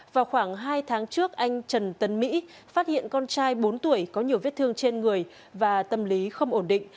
vào khoảng hai tháng trước anh trần tấn mỹ phát hiện con trai bốn tuổi có nhiều vết thương trên người và tâm lý không ổn định